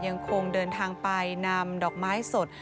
ยังคงเดินทางไปนำดอกไม้สด